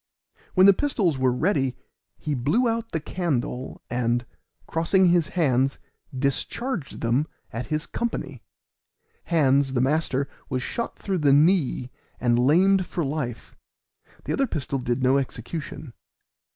When the pistols were ready he blew out the candle, and, crossing his hands, discharged them at his company; Hands, the master, was shot through the knee and lamed for life, the other pistol did no execution.